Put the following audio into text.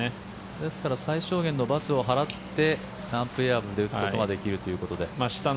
ですから最小限の罰を払って、アンプレヤブルで打つことができるということで。